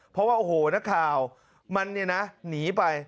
เพราะว่าโอ้โหนักข่าวมันเนี่ยนะหนีไป